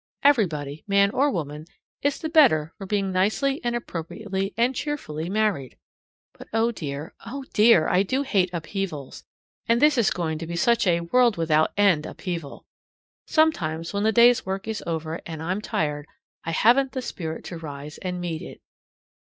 Everybody, man or woman, is the better for being nicely and appropriately and cheerfully married. But oh dear! oh dear! I do hate upheavals, and this is going to be such a world without end upheaval! Sometimes when the day's work is over, and I'm tired, I haven't the spirit to rise and meet it.